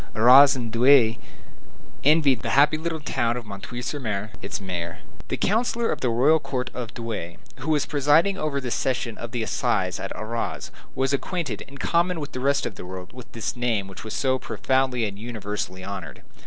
Arras and Douai envied the happy little town of M. sur M. its mayor. The Councillor of the Royal Court of Douai, who was presiding over this session of the Assizes at Arras, was acquainted, in common with the rest of the world, with this name which was so profoundly and universally honored.